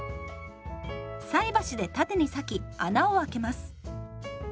菜箸で縦に裂き穴をあけます。